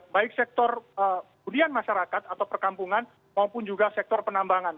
baik sektor budian masyarakat atau perkampungan maupun juga sektor penambangan